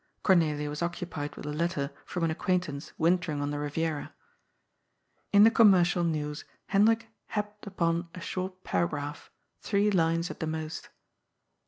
Cornelia was occupied with a letter from an acquaintance wintering on the Riviera. In the commercial news Hendrik happed upon a short paragraph, three lines at the most.